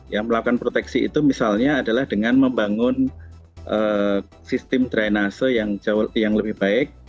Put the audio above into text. yang melakukan proteksi itu misalnya adalah dengan membangun sistem drainase yang lebih baik